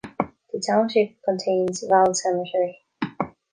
The township contains Valle Cemetery.